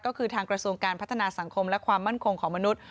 ก็คือทางกระทรวงการพัฒนาสังคมและความมั่นคงของมนุษย